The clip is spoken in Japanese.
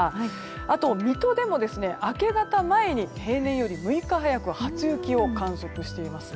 あと、水戸でも明け方前に平年より６日早く初雪を観測しています。